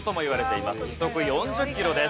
時速４０キロです。